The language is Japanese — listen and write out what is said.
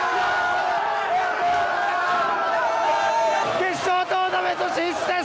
決勝トーナメント進出です！